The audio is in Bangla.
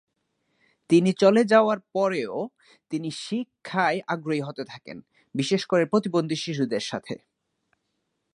তিনি চলে যাওয়ার পরেও, তিনি শিক্ষায় আগ্রহী হতে থাকেন, বিশেষ করে প্রতিবন্ধী শিশুদের সাথে।